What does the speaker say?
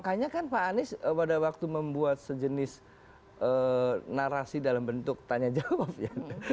makanya kan pak anies pada waktu membuat sejenis narasi dalam bentuk tanya jawab ya